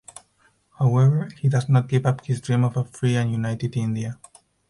However, he does not give up his dream of a free and united India.